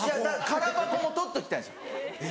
空箱も取っときたいんですよ。